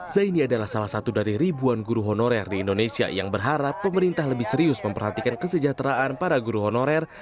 zaini adalah salah satu dari ribuan guru honorer di indonesia yang berharap pemerintah lebih serius memperhatikan kesejahteraan para guru honorer